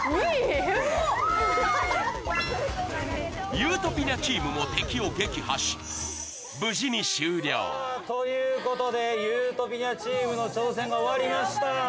ゆーとぴにゃチームも敵を撃破し無事に終了ということでゆーとぴにゃチームの挑戦が終わりました。